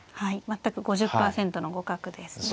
全く５０％の互角ですね。